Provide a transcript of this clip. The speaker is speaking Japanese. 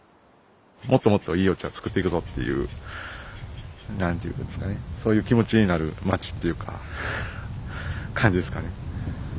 もっともっといいお茶を作っていくぞっていう何て言うんですかねそういう気持ちになる町っていうか感じですかね。